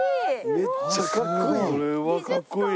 めっちゃかっこいい！